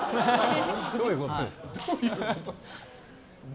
どういうことですか。